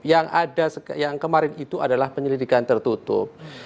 yang ada yang kemarin itu adalah penyelidikan tertutup